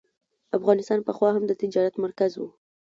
افغانستان پخوا هم د تجارت مرکز و.